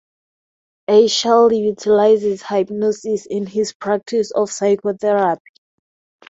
Eichel utilizes hypnosis in his practice of psychotherapy.